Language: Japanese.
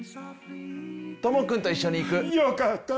トモ君と一緒に行く。